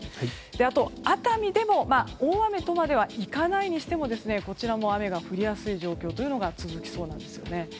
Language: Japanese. あと、熱海でも大雨とまではいかないにしてもこちらも雨が降りやすい状況が続きそうなんですよね。